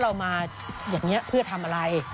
เรามาอย่างนี้เพื่อทำอะไร